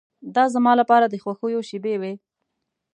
دا زما لپاره د خوښیو شېبې وې.